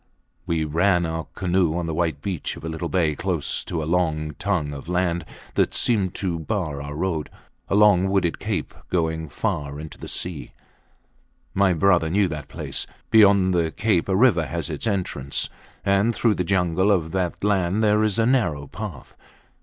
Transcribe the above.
We ran our canoe on the white beach of a little bay close to a long tongue of land that seemed to bar our road; a long wooded cape going far into the sea. My brother knew that place. Beyond the cape a river has its entrance, and through the jungle of that land there is a narrow path.